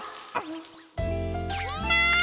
みんな！